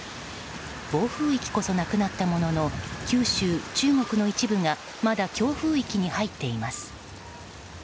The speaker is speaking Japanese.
暴風域こそなくなったものの九州、中国の一部がまだ強風域に入っています。